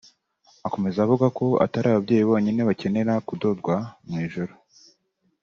Akomeza avuga ko atari ababyeyi bonyine bakenera kudodwa mu ijoro